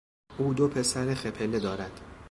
او دو پسر خپله دارد.